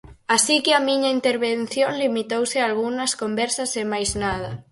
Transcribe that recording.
Así que a miña intervención limitouse a algunhas conversas e máis nada.